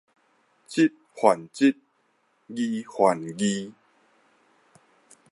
一還一，二還二